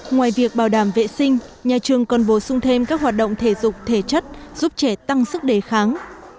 ngoài việc bảo đảm vệ sinh nhà trường còn bổ sung thêm các hoạt động thể dục thể chất giúp trẻ tăng sức đề kháng